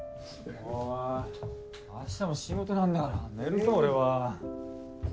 明日も仕事なんだから寝るぞ俺は。